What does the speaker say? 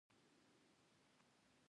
انتقاد کولو یو علت هم دغه وي.